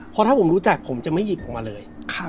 เพราะถ้าผมรู้จักผมจะไม่หยิบออกมาเลย